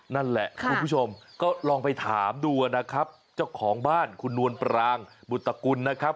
นั่นแหละคุณผู้ชมก็ลองไปถามดูนะครับเจ้าของบ้านคุณนวลปรางบุตกุลนะครับ